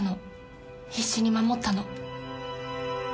必死に守ったの。